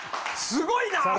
すごいな！